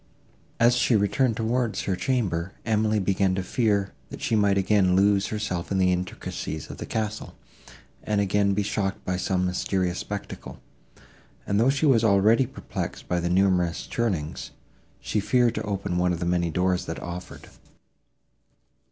As she returned towards her chamber, Emily began to fear, that she might again lose herself in the intricacies of the castle, and again be shocked by some mysterious spectacle; and, though she was already perplexed by the numerous turnings, she feared to open one of the many doors that offered.